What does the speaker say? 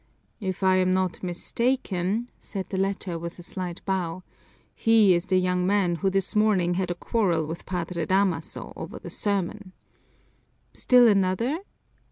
"If I am not mistaken," said the latter with a slight bow, "he is the young man who this morning had a quarrel with Padre Damaso over the sermon." "Still another?